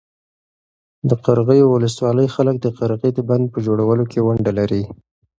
د قرغیو ولسوالۍ خلک د قرغې د بند په جوړولو کې ونډه لري.